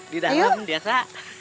di dalam biasa